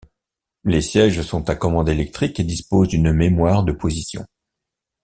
Les sièges sont à commande électrique et disposent d'une mémoire de positions.